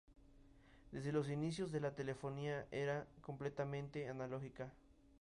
Desde los inicios de la telefonía era completamente analógica.